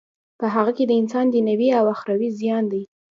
په هغه کی د انسان دینوی او اخروی زیان دی.